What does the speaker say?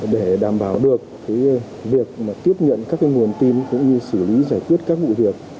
để đảm bảo được việc tiếp nhận các nguồn tin cũng như xử lý giải quyết các vụ việc